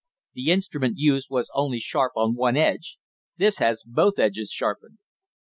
The instrument used was only sharp on one edge. This has both edges sharpened."